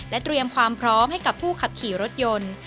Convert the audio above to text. เตรียมความพร้อมให้กับผู้ขับขี่รถยนต์